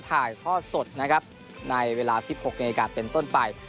ถ่ายทอดสดนะครับในเวลา๑๖นาฬิกาเป็นต้นไป